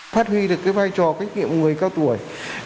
phát huy được cái vai trò kinh nghiệm người cao tuổi